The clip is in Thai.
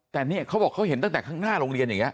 แต่เนี่ยเขาบอกเขาเห็นตั้งแต่ข้างหน้าโรงเรียนอย่างนี้